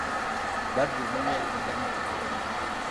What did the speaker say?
Badru munne yamuddamu bubi nnyo.